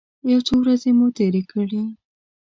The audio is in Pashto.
یو څو ورځې مو تېرې کړې.